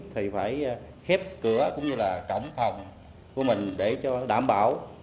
thì phải khép cửa cũng như là cổng phòng của mình để cho đảm bảo